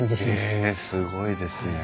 へえすごいですね。